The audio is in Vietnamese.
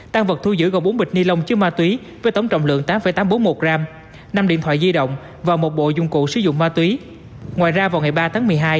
tăng vật thu giữ gồm bốn bịch ni lông chứa ma túy với tổng trọng lượng tám tám trăm bốn mươi một gram